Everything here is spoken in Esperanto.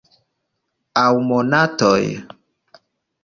Aŭ monatoj.